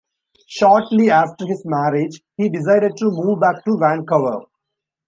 Shortly after his marriage, he decided to move back to Vancouver.